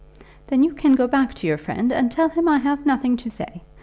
"Then you can go back to your friend, and tell him I have nothing to say.